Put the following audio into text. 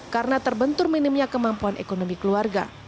karena terbentur minimnya kemampuan ekonomi keluarga